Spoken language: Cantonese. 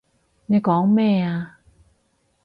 你講咩啊？